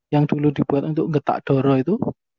yang dulu dibuat untuk ngetak doro itu